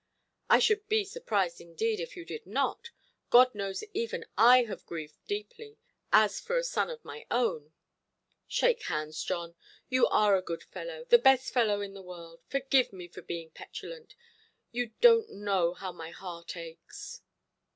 "I should be surprised indeed if you did not. God knows even I have grieved deeply, as for a son of my own". "Shake hands, John; you are a good fellow—the best fellow in the world. Forgive me for being petulant. You donʼt know how my heart aches".